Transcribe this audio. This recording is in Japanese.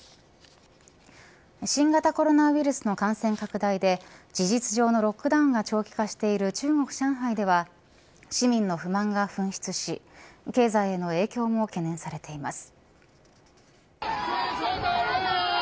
新型コロナウイルスの感染拡大で事実上のロックダウンが長期化している中国上海では市民の不満が噴出し経済への影響も懸念されています。